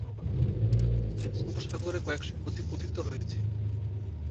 James উপসাগরে কয়েকশ নদী পতিত হয়েছে।